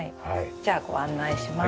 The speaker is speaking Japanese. じゃあご案内します。